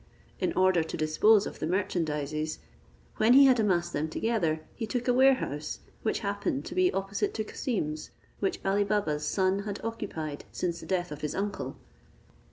In order to dispose of the merchandizes, when he had amassed them together, he took a warehouse, which happened to be opposite to Cassim's, which Ali Baba's son had occupied since the death of his uncle.